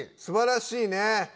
すばらしいね。